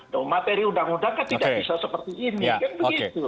materi undang undang tidak bisa seperti ini